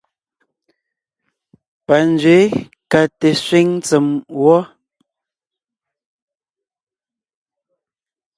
Panzwě ka te sẅíŋ tsèm wɔ.